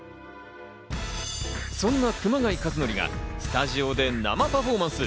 そんな熊谷和徳がスタジオで生パフォーマンス。